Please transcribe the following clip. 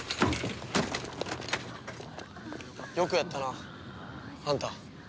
よくやったなあんた。